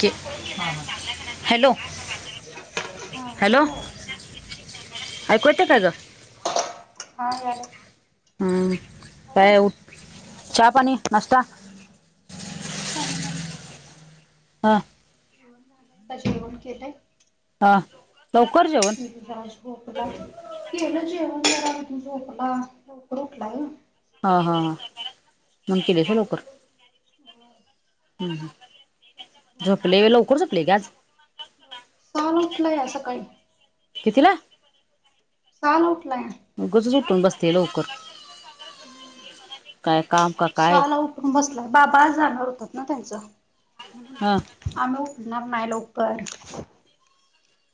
की, हा हा, हॅलो हा हॅलो, येतोय का आवाज? ऐकू येतय का ग? हा यायलाय. हं, काय ओ, चहा, पाणी, नाश्ता? चाहा, पाणी, नाश्ता केलाय हा. आता जेवण केलंय हा लवकर जेव तो जरा झोपला. केलं जेवण जरा झोपला लवकर उठलाय ओ. हा हा मंग केली का लवकर? बर. झोपलीय वय लवकर झोपलीय की आज. सहाला उठलाया सकाळी. कितीला? सहाला उठलाय. उगचच उटून बसतोय लवकर. काय काम का काय सहाला उठ ठुन बसला बाबा आज जाणार होतात ना त्यांच म्हणून. हां आम्ही उठनार नाय लवकर.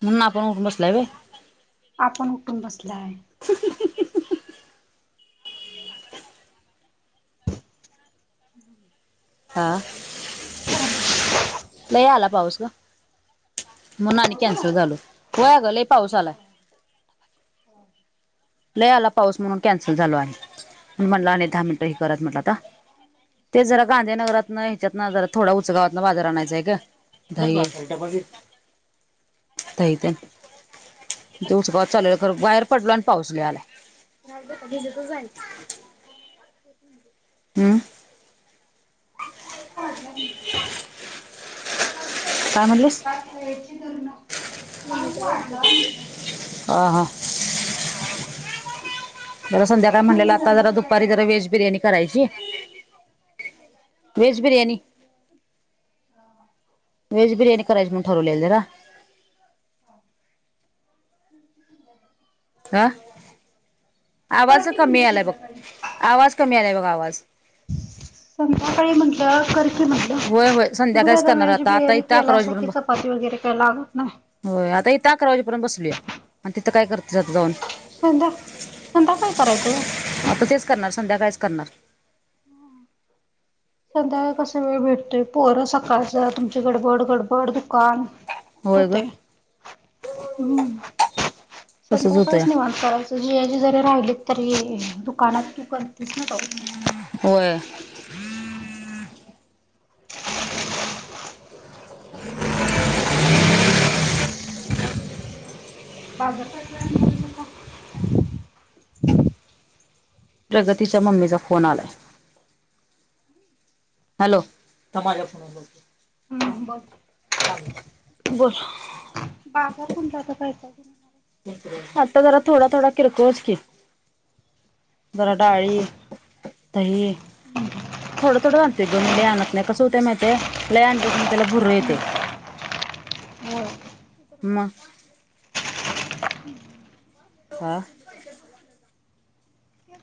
म्हनुन आपण उठून बसलाय वय. आपण उठून बसलाय. [inaudible] हा पाऊस नाही आला पाऊस गं. म्हणून आणि आला? कॅन्सल झालो वय आगं लय पाऊस आलाय. लय आला पाऊस म्हणून कॅन्सल झालो आणि म्हणून म्हटला आणि दहा मिनटं माझं हे करत म्हटलं आता. दुकानातच तेच जरा गांधीनगरातनं हेच्यातनं जरा थोडा उचगावातनं बाजार आणायंचाय गं. ताई ताई तेन. ऊसगावात चालल्यालो खर बाहेर पडलो आणि पाऊस लय आला. वाढला पाऊस हम्म. पडलं. काय म्हणलीस? [inaudible] पाऊस वाढला म्हटलं आ हा. जरा संध्याकाळी म्हटलेलं दादानगरी आता जरा धरणाचा काय दुपारी जरा दरवाजा वेज उघडला बिर्याणी करायची. वेज बिरयाणी. हा हा. व्हेज बिर्याणी करायची म्हणून ठरवलेली जरा. [inaudible] आ कर आवाज की कमी म्हटलं आलाय बघ संध्याकाळी आवाज कमी आलाय बघ आवाज. संध्याकाळी म्हंटलं करकी मग. होय होय तुम्ही काय संध्याकाळीच करणार व्हेज आता आता बिर्याणी इथं अकरा केलासा कि वाजेपर्यंत चपाती वगैरे काही लागत नाही. होय आता इथं अकरा वाजेपर्यंत बसलूया आणि तिथं काय करतीस आता जाऊन. संध्या संध्याकाळी करायचं गं. आता तेच करणार संध्याकाळीच करणार. संध्याकाळ कसा वेळ भेटतोय पोरं सकाळचं तुमची गडबड गडबड दुकान. होय ग. होते हम्म तसच होतय संध्याकाळच निवांत. करायच जी आणि जरा राहिली तरी दुकानात तू करतेस न कर. होय. [inaudible] बाजार काय काय आणनारयस आता? प्रगतीच्या मम्मीचा फोन आलाय. हॅलो, थांब माझ्या फोनवर बोलतो. हा हम्म बोल बोल. बाजार कोणता आता काय -काय करू. आता जरा थोडा-थोडा किरकोळ की. जरा डाळी, दही. थोडं- थोडंच आणतोय गं मी लई आणत नाही, कस हुतयं माहितेय लई आणलं कि मग त्याला भुरं येतयं. [inaudible] होय. मग. [unintelligible] हा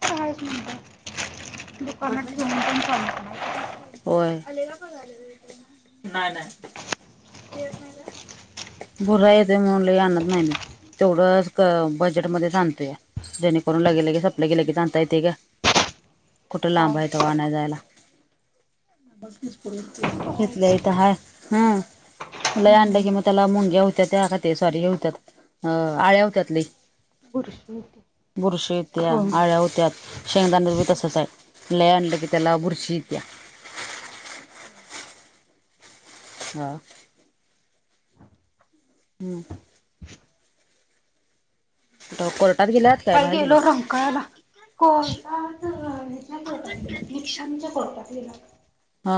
कामाचं म्हणलं दुकानात ठेवून पण चालत नाही. व्हयं, नाही नाही. बुरा येतोय म्हणून लय आणत नाही मी. तेवढंच बजेटमध्येच आणतोया जेणेकरून लगे -लगे सपलं की, लगेच आणता येतयं गं. कुठं हा लांब आहेे तवा आणाय जायाला, ते तर आहेच हिथल्या हित हाय. हं... लई आणलं हम्म की मग त्याला मुंग्या हुत्यात्या का ते सॉरी हे होत्यात आळ्या होत्यात लई. बुरशी येते बुरशी येत्या, होय आळ्या होत्यात, शेंगदाण्यात बी बुरशी तस येते लई आणलं की त्याला बुरशी ईत्या. हा. हु... [unintelligible] डॉ कट काल गेलो राहून. कळाला कोर्टात अ हेच्या कोर्टात गेलेला निपाणी च्या कोर्टात गेला होता. हा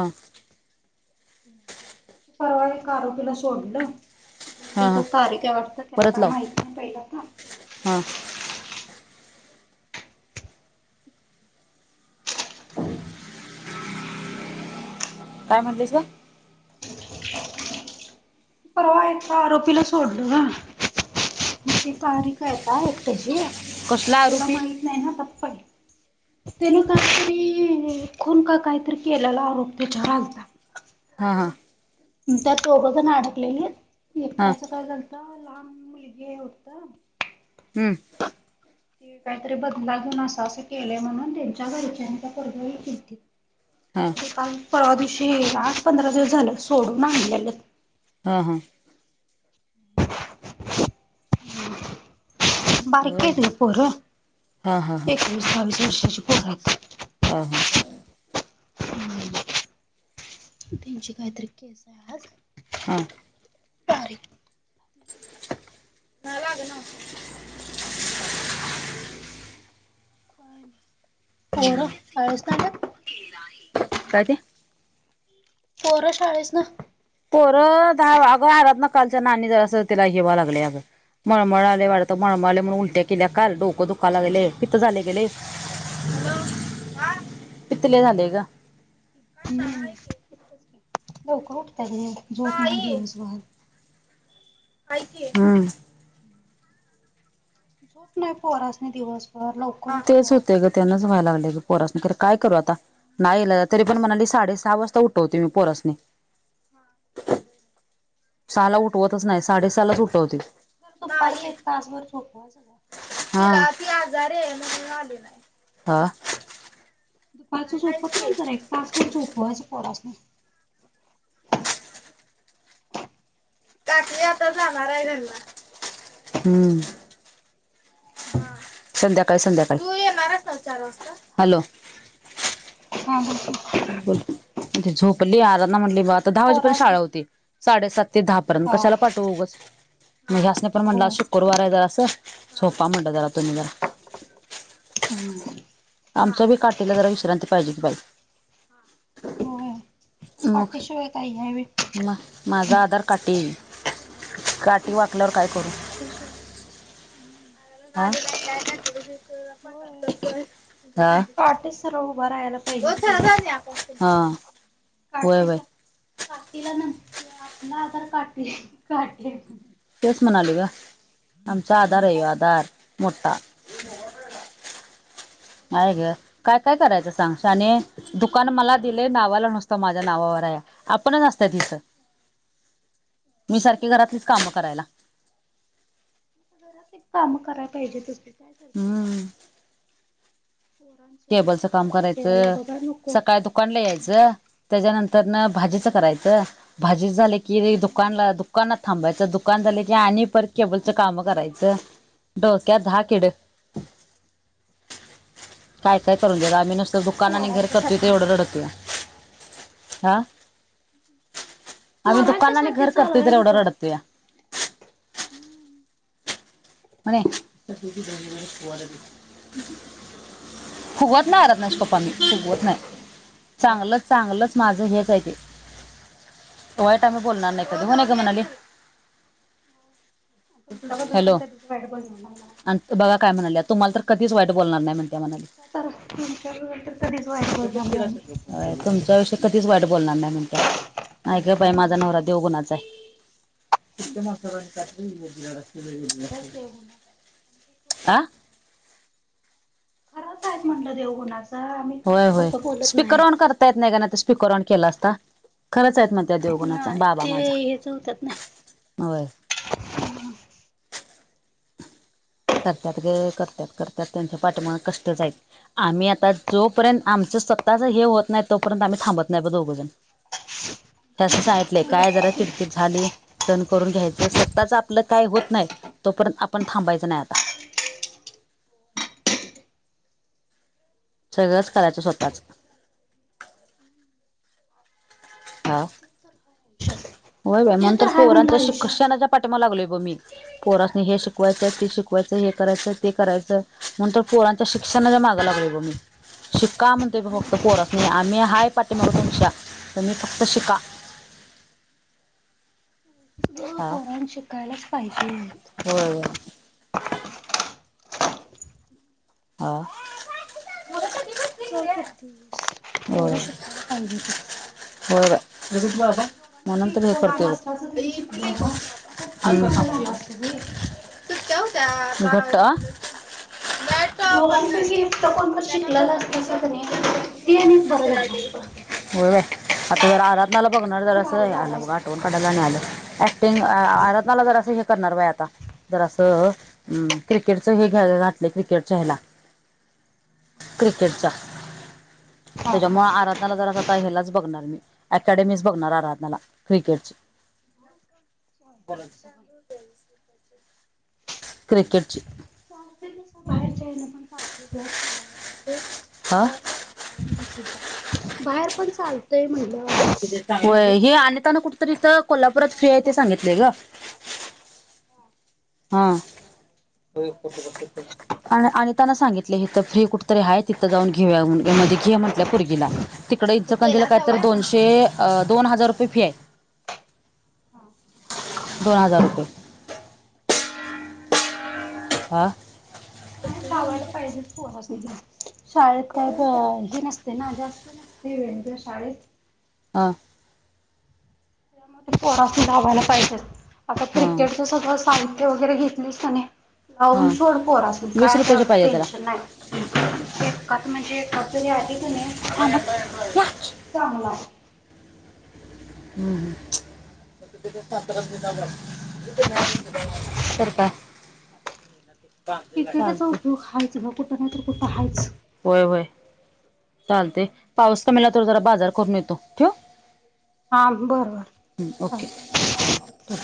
परवा एका आरोपीला सोडलं. मग ते हा जी हा काय तारीख हाय वाटतं त्याला परत काय लाव माहिती पहिजेल आता. हा [unintelligible] काय म्हणलीस गं? परवा एका आरोपीला सोडल गं, मग ती तारीख हाय आता एकटयाची. कसला तेला माहित [inaudible] तेन कायतरी खून का कायतरी केलेला आरोप तेच्यावर आलता. हां हां त्यात दोघंजण अडकलेलीत हा एकट्याच काय झालंत लहान मुलगी हाय वाढतं. हू... ती काहीतरी बदला घेऊन अस-अस केलयं म्हणून त्यांच्या घरच्यानी त्या पोरग्यावर हे केलतीत. हा ते काल, परवा दिवशी आठ -पंधरा दिवस झालं सोडून आणलेलंत. हा, हा. बारकी होय हायत गं पोरं हा हा हा एकवीस- बावीस वर्षाची पोरं हायत. हा, हा... त्यांची काईतरी केसाय आज. हा. तारीख. ना लाग ना हम् काय नी, पोरं शाळेस्तान काय ते. पोरं शाळेसनं. पोरं दहा अगं आरत ना कालच्या नानी जरासं तिला हे व्हा लागले अगं. मळमळळाले वाटत मळमळले म्हणून उलट्या केल्या काल डोकं दुखला लागेले पित्त झाले तेले. पित्त लय झालंय ग. हुं लवकर उठतय ग, झोप नाय दिवसभर. हाई कि, हम. झोप नाय पोरांसनी दिवस तेच होते ग तेनंच व्हाय लागले ग पोरासनी कर काय करू आता. नाईलाजा तरी पण मणाली साडे सहा वाजता जर उठवते मी पोरा सनी. सहा ला उठवतच नाय साडेसहा लाच उठवते. दुपारचं एक तासभर झोपवायच गा. ह, आजी आजारीये म्हूणन आली नाय. दुपारच झोपत नाईत जरा एक तास भर झोपवायचं पोरांसनी. रात्री आता जाणाराय घरला, हम्म. संध्याकाळ संध्याकाळ, तू येणारायस ना चार वाजता, हॅलो. हा हा हं. हं बोल, झोपली आराधना म्हणली ब आता दहा वाजेपर्यंत शाळा पोरासनी होती, साडेसात ते दहापर्यंत हा कशाला पाठवु ऊगच, म ह्यासनी पण म्हणलं हो आज शुक्करवाराय जरासं झोपा म्हणट जरा तुम्ही जरा हम. आमच्या बी काठीला जरा विश्रांती पायजे की बाई. होय त्या मग काठीशिवाय काही हायवे म माझा आधार काटी. [unintelligible] काठीशी. [inaudible] हा होय काठी सरळ उभा राहायला पाहिजे की पहिला [unintelligible] हा. होय होय काठीचा काठीला न अपना आधार काठी काठी तेच म्हणाले ग आमचा आधारे आधार मोठा. आये गे काय काय करायचं सांग शाने. दुकान मला दिलय नावाला नुसतं माझ्या नावावर हाय आपणच असतंय तिथं. मी सारखी घरातलीच कामं करायला. घरातलीच काम कराय पाहिजेतच की काय करतीस. हम्म टेबलचं काम करायचं बघा नको सकाळी दुकानला यायचं. त्याच्यानंतर न भाजीचं करायचं, भाजीच झालं की हम्म, दुकानला काय दुक् दुकानात थांबायचं, दुकान झालं की आणि परत केबलचं कामन करायचं, डोक्यात दहा किडं काय काय करून देत आम्ही नुसतं करतेस? दुकान आणि घर पोरांच्या करतुय त साठी एवढं निघालता रडतूया. हा आम्ही पोरांच्या दुकान आणि साठी घर करतोय तर एवढं रडतोया. हम्‌ मने. [unintelligible] तसंच आहे. फुगवत नाहीरस ना पप्पांना. फुगवत नाही चांगलच चांगलच माझं हेच आहे ते. वायट आम्ही बोलणार नाही कधी हो ना ग मनाले. तुमच्या बद्दल तर कधीच वाईट बोलणार नाही म्हणून. ती बघा काय म्हणाल्या तुम्हाला तर कधीच वाईट बोलणार नाही म्हण. तुमच्या तर तुमच्या विरूद्ध कधीच वाईट बोलणार नाही मी. व्हय तुमच्या विषयी कधीच वाईट बोलणार नाही म्हणत्या नाय ग बाइ माझा नवरा देवगुणाचा आहे. खरंच देव गुणाच आहे. आ [inaudible] खराच आहेस म्हटलं देवगुणाचा. होय होय स्पीकर ऑन करता येत नाय त्यांना नाही तर स्पीकर ऑन केला असता. खरंच आहेत म्हणत्यात देवगुणाचा नाही बाबा ते माझा हेच होतात नाही. होय. करत्यात ग करत्यात करत्यात त्यांच्या पाठीमाग कष्टच हाईत. आम्ही आता जोपर्यंत आमच स्वतःच हे होत नाय तोपर्यंत आम्ही थांबत नाय ब दोघंजण. त्यां सांगितलेय काय जरा चिडचिड झाली. सहन करून घ्यायचं स्वतःच आपलं काय होत नाय तोपर्यंत आपण थांबायच नाय आत्ता. [inaudible] सगळंच करायचं स्वतःच. हा, होय बा ते म्हनून तर हाय म्हणलं पोरांच्या आयुष्यात. शिक्षणाच्या पाठीमाग लागलोय ब मी. पोरसणी हे शिकवायचं ते शिकवायचं हे करायचं ते करायचं म्हनून तर पोरां''--'' त शिक्षणाच्या मागं लागलोय बघ मी. शिका म्हणतोय ब फक्त पोरासनी आम्ही हाय पाठी माग तुमच्या तुम्ही फक्त शिका. व्हय पोरांनी शिकायलाच पाहिजे. व्हय व्हय. हा, अगं चड्डी घाल. काय करतेस पोरं शिकायला पाहिजेतच. व्हय बाय जेवलीस पण आता. कोणत तर असता असा तुम्ही शिकलेल तर ते बरं झालं असत बाई. सुट्या होत्या [inaudible] का बंद दोघांपैकी झाली एक तर कोणतर त्यांना आता शिकलेला दोन असतं तीन असं दिवस का सुट्टी असत्या नाही आणि ते मग एक बरं दुसरा झालं असतं. दिवस. होय बाई आता जरा आराधना ला बघणार ज त्याने भारी असं आला झालं बघ असतं. आठवून काढायला आणि आलं. ते आ आ, आरधनाला जर असं हे करणार बाई आता. जर असं अ क्रिकेटच हे घ घातलं क्रिकेट. चा ह्याला क्रिकेटचा. हा. त्याच्यामुळे आराधनाला जरा तर हलाच बघणार मी अकॅडमीच बघणार आराधनाला क्रिकेटची. हो, तसं पण क्रिकेटची. चालते तस बाहेरच्या येन पण चालते घ खेळा वगैरे चालते शाळा. हा [inaudible] का बाहेर पण चालतय म्हणलं होय हे अनितान कुठ तरीथ कोल्हापुरात फ्री आहे बाहेरच्या ते सांगितलंय ग. हा, हा बघायचं मग [unintelligible] आणि अनिताना सांगितले हीथ फ्री कुठेतरी आहेय तिथं जाऊन घे. घे म्हंटल्या पुर्गीला तिकडे इचकरंजीला काय तर हा. दोनशे. अ दोन हजार रुपये फी आहे हा दोन हजार रुपये. हो हा नाही लावायलं पाहिजे पोरस [unintelligible] शाळेत काय ब हे नसते ना जास्त नसते वेळ शाळेत. हां. त्यामध्ये पोरास लावायला पाहिजेच आता हा क्रिकेटचे सगळं साहित्य वगैरे घेतलीस का नाही हा लावून सोड पोरासी वीस काय रुपयाचे तेवढ्या पाहिजे त्याला टेन्शन नाय. एकात म्हणजे एखाद जरी आली क नाही तरी चांगला. हम्म हम्म. तिथं ते सातार्यात नीजागाव [unintelligible] करता. [inaudible] क्रिकेटाचा उपयोग हायच भाऊ कुठं नाही तर कुठं आहेच. व्हय व्हय. चालते पाऊस कमीला तर जरा बाजार करून येतो ठेऊ? हा बरं बरं ओके चालेल ठेव.